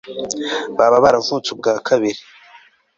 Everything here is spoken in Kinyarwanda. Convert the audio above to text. baba baravutse ubwa kabiri